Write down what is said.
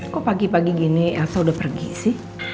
kok pagi pagi gini elsa udah pergi sih